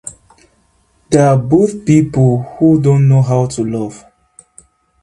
They're both people who don't know how to love.